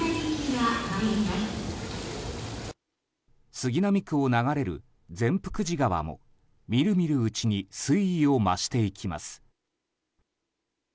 杉並区を流れる善福寺川もみるみるうちに水位を増していきます。